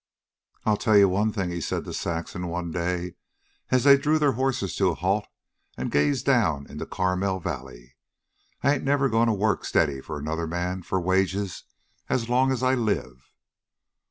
"I'll tell you one thing," he said to Saxon, one day, as they drew their horses to a halt and gazed down into Carmel Valley. "I ain't never going to work steady for another man for wages as long as I live."